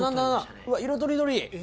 うわっ色とりどり！